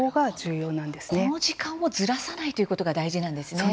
この時間をずらさないということが大事なんですね。